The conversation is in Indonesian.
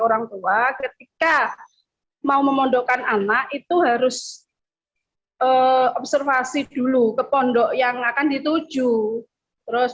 orang tua ketika mau memondokan anak itu harus observasi dulu ke pondok yang akan dituju terus